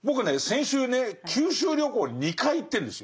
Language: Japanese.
先週ね九州旅行に２回行ってるんです。